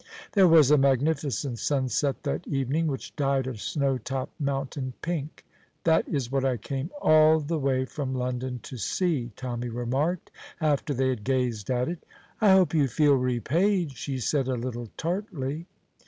There was a magnificent sunset that evening, which dyed a snow topped mountain pink. "That is what I came all the way from London to see," Tommy remarked, after they had gazed at it. "I hope you feel repaid," she said, a little tartly.